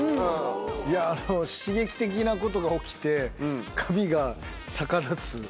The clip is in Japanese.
いやあの刺激的なことが起きて髪が逆立つ。